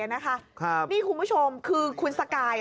นี่คุณผู้ชมคือคุณสกาย